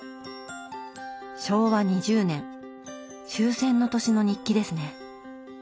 昭和２０年終戦の年の日記ですね。